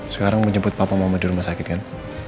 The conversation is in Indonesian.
sekarang menjemput papa mama di rumah sakit kan